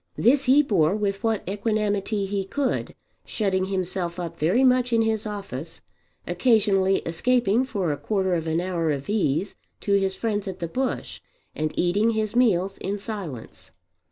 This he bore with what equanimity he could, shutting himself up very much in his office, occasionally escaping for a quarter of an hour of ease to his friends at the Bush, and eating his meals in silence.